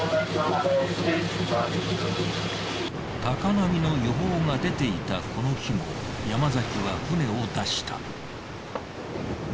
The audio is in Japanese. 高波の予報が出ていたこの日も山崎は船を出した。